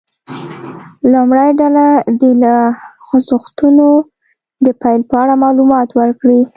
لومړۍ ډله دې د خوځښتونو د پیل په اړه معلومات ورکړي.